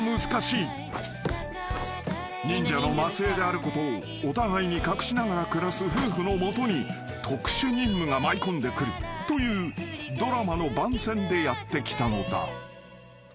［忍者の末裔であることをお互いに隠しながら暮らす夫婦の元に特殊任務が舞い込んでくるというドラマの番宣でやって来たのだ］